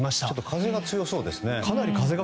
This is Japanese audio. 風が強そうですね。